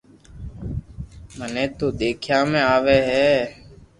منو تو ديکيا ۾ آوي ھي